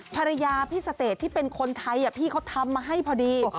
ภรรยาพี่เสเตจที่เป็นคนไทยพี่เขาทำมาให้พอดี